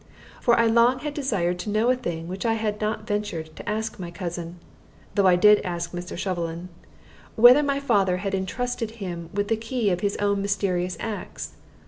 For I long had desired to know a thing which I had not ventured to ask my cousin though I did ask Mr. Shovelin whether my father had intrusted him with the key of his own mysterious acts.